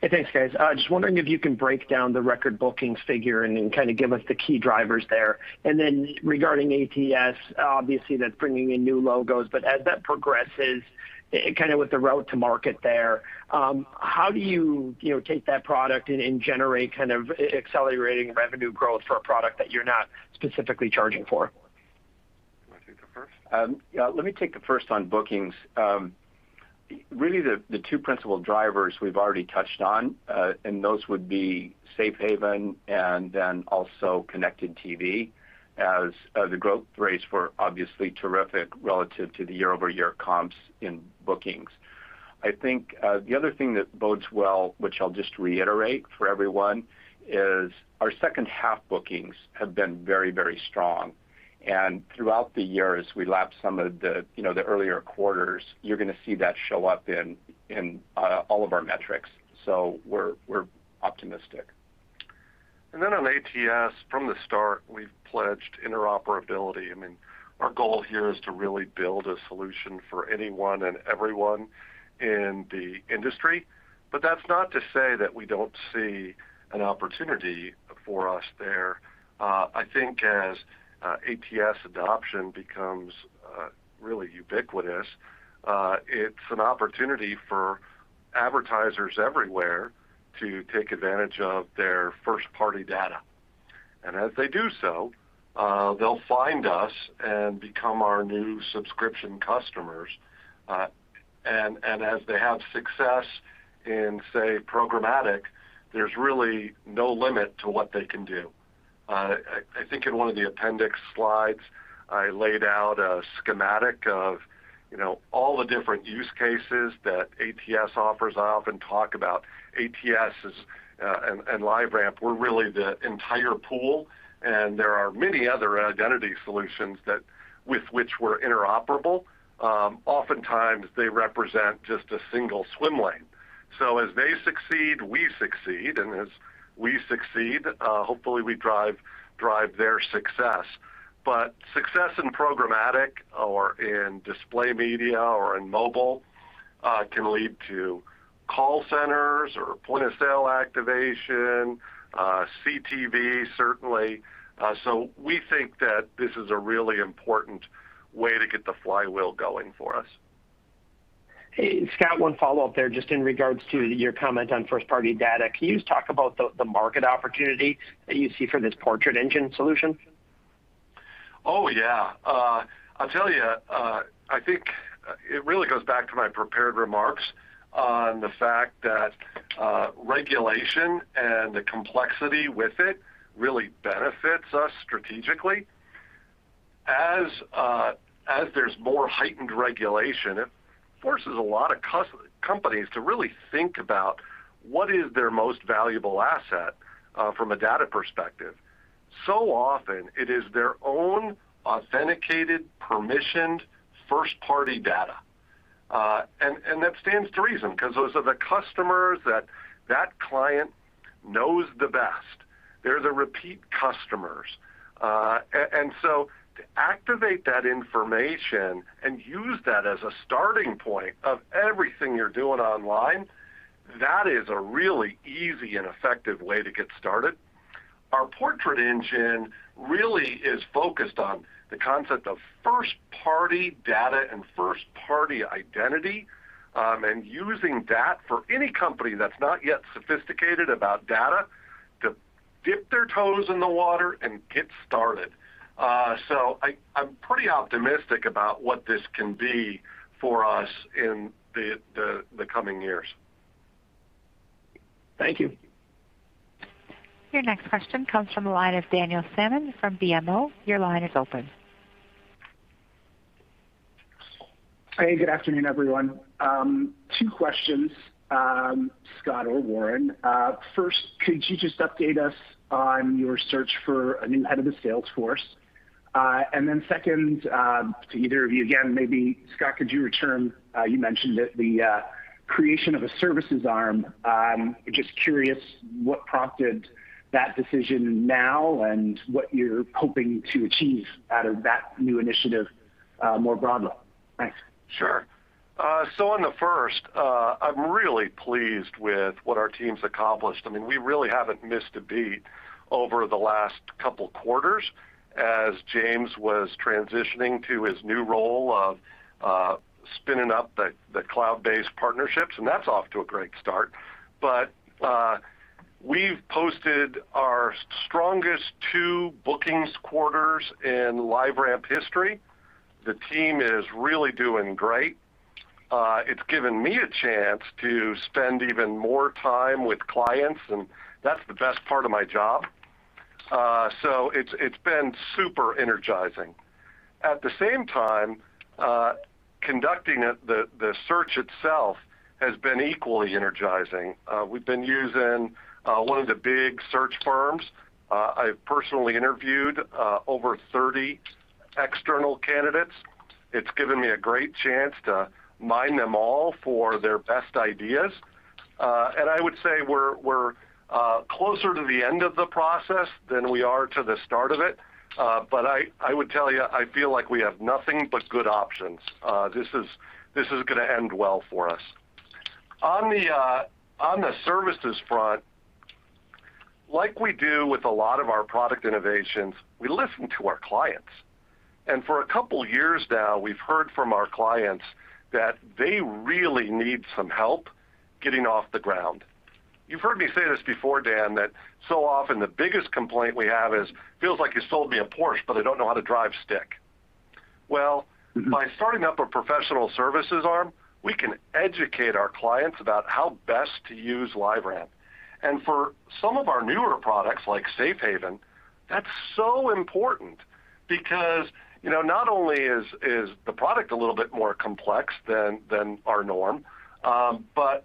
Hey, thanks, guys. I was just wondering if you can break down the record bookings figure and kind of give us the key drivers there. Regarding ATS, obviously that's bringing in new logos, but as that progresses, kind of with the route to market there, how do you take that product and generate kind of accelerating revenue growth for a product that you're not specifically charging for? You want to take that first? Yeah. Let me take the first on bookings. Really the two principal drivers we've already touched on, and those would be Safe Haven and then also Connected TV as the growth rates were obviously terrific relative to the year-over-year comps in bookings. I think the other thing that bodes well, which I'll just reiterate for everyone, is our second-half bookings have been very, very strong. Throughout the year, as we lap some of the earlier quarters, you're going to see that show up in all of our metrics. We're optimistic. On ATS, from the start, we've pledged interoperability. I mean, our goal here is to really build a solution for anyone and everyone in the industry. That's not to say that we don't see an opportunity for us there. I think as ATS adoption becomes really ubiquitous, it's an opportunity for advertisers everywhere to take advantage of their first-party data. As they do so, they'll find us and become our new subscription customers. As they have success in, say, programmatic, there's really no limit to what they can do. I think in one of the appendix slides, I laid out a schematic of all the different use cases that ATS offers. I often talk about ATS and LiveRamp, we're really the entire pool, and there are many other identity solutions with which we're interoperable. Oftentimes they represent just a single swim lane. As they succeed, we succeed, and as we succeed, hopefully we drive their success. But success in programmatic or in display media or in mobile, can lead to call centers or point-of-sale activation, CTV, certainly. We think that this is a really important way to get the flywheel going for us. Hey, Scott, one follow-up there just in regards to your comment on first-party data. Can you just talk about the market opportunity that you see for this Portrait Engine solution? Oh, yeah. I'll tell you, I think it really goes back to my prepared remarks on the fact that regulation and the complexity with it really benefits us strategically. There's more heightened regulation, it forces a lot of companies to really think about what is their most valuable asset from a data perspective. Often it is their own authenticated, permissioned first-party data. That stands to reason because those are the customers that that client knows the best. They're the repeat customers. To activate that information and use that as a starting point of everything you're doing online, that is a really easy and effective way to get started. Our Portrait Engine really is focused on the concept of first-party data and first-party identity, and using that for any company that's not yet sophisticated about data to dip their toes in the water and get started. I'm pretty optimistic about what this can be for us in the coming years. Thank you. Your next question comes from the line of Daniel Salmon from BMO. Your line is open. Hey, good afternoon, everyone. Two questions, Scott or Warren. First, could you just update us on your search for a new head of the sales force? Second, to either of you again, maybe Scott, could you return, you mentioned it, the creation of a services arm. Just curious what prompted that decision now and what you're hoping to achieve out of that new initiative more broadly. Thanks. Sure. On the first, I'm really pleased with what our team's accomplished. We really haven't missed a beat over the last couple of quarters as James was transitioning to his new role of spinning up the cloud-based partnerships, and that's off to a great start. We've posted our strongest two bookings quarters in LiveRamp history. The team is really doing great. It's given me a chance to spend even more time with clients, and that's the best part of my job. It's been super energizing. At the same time, conducting the search itself has been equally energizing. We've been using one of the big search firms. I personally interviewed over 30 external candidates. It's given me a great chance to mine them all for their best ideas. I would say we're closer to the end of the process than we are to the start of it. I would tell you, I feel like we have nothing but good options. This is going to end well for us. On the services front, like we do with a lot of our product innovations, we listen to our clients. For a couple of years now, we've heard from our clients that they really need some help getting off the ground. You've heard me say this before, Dan, that so often the biggest complaint we have is, "Feels like you sold me a Porsche, but I don't know how to drive stick." By starting up a professional services arm, we can educate our clients about how best to use LiveRamp. And for some of our newer products, like Safe Haven, that's so important because not only is the product a little bit more complex than our norm, but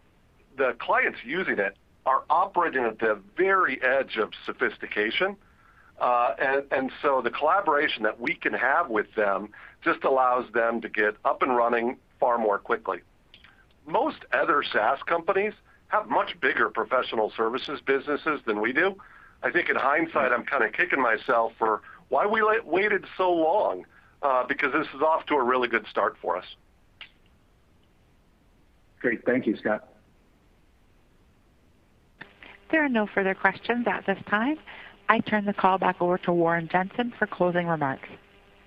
the clients using it are operating at the very edge of sophistication. The collaboration that we can have with them just allows them to get up and running far more quickly. Most other SaaS companies have much bigger professional services businesses than we do. I think in hindsight, I'm kind of kicking myself for why we waited so long, because this is off to a really good start for us. Great. Thank you, Scott. There are no further questions at this time. I turn the call back over to Warren Jenson for closing remarks.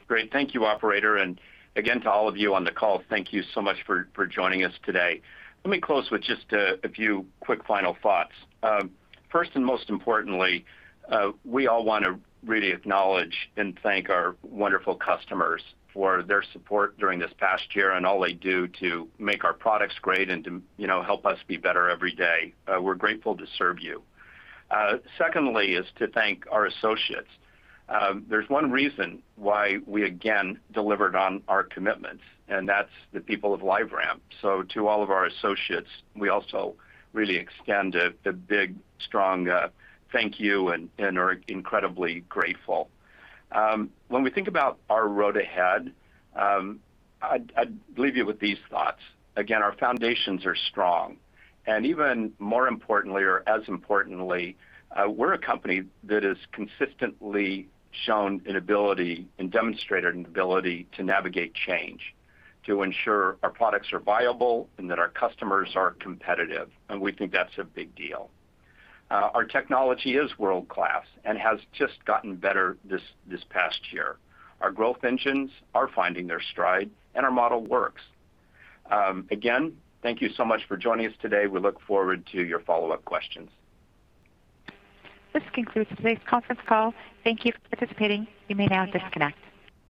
Great. Thank you, Operator. Again, to all of you on the call, thank you so much for joining us today. Let me close with just a few quick final thoughts. First and most importantly, we all want to really acknowledge and thank our wonderful customers for their support during this past year and all they do to make our products great and to help us be better every day. We're grateful to serve you. Secondly is to thank our associates. There's one reason why we again delivered on our commitments, and that's the people of LiveRamp. To all of our associates, we also really extend a big, strong thank you and are incredibly grateful. When we think about our road ahead, I leave you with these thoughts. Again, our foundations are strong, and even more importantly or as importantly, we're a company that has consistently shown an ability and demonstrated an ability to navigate change to ensure our products are viable and that our customers are competitive, and we think that's a big deal. Our technology is world-class and has just gotten better this past year. Our growth engines are finding their stride, and our model works. Thank you so much for joining us today. We look forward to your follow-up questions. This concludes today's conference call. Thank you for participating. You may now disconnect.